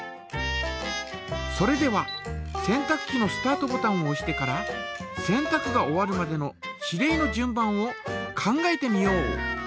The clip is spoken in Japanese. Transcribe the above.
それでは洗濯機のスタートボタンをおしてから洗濯が終わるまでの指令の順番を考えてみよう。